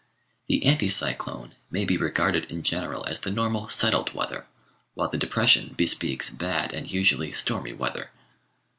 The anticyclone may be regarded in general as the normal settled weather, while the depression bespeaks bad and usually stormy weather.